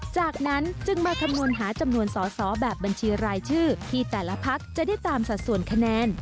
จากนั้นจึงมาคำนวณหาจำนวนสอสอแบบบัญชีรายชื่อที่แต่ละพักจะได้ตามสัดส่วนคะแนน